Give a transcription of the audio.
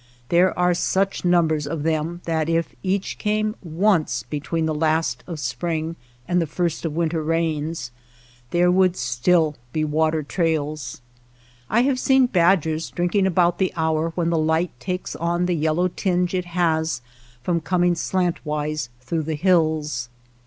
There are such numbers of them that if each came once between the last of spring and the first of winter rains, there would still be water trails. I have seen badgers drinking about the hour when the light takes on the yellow tinge it has from coming slantwise through the hills.